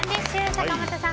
坂本さん